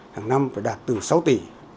hàng năm phải đạt từ sáu tỷ